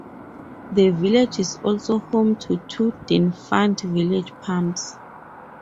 The village is also home to two defunct village pumps.